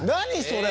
それ。